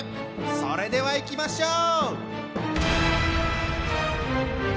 それではいきましょう！